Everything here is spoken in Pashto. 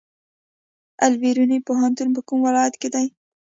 البیروني پوهنتون په کوم ولایت کې دی؟